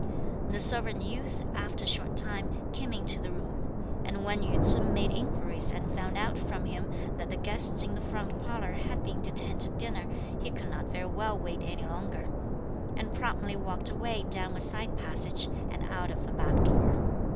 The servant youth, after a short time, came into the room; and when Yü ts'un made inquiries and found out from him that the guests in the front parlour had been detained to dinner, he could not very well wait any longer, and promptly walked away down a side passage and out of a back door.